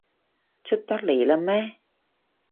出得嚟喇咩？